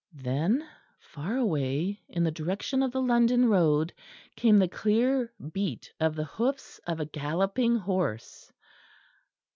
Then far away in the direction of the London road came the clear beat of the hoofs of a galloping horse.